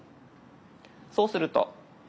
そうすると。